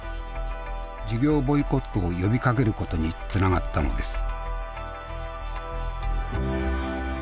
授業ボイコットを呼びかけることにつながったのです。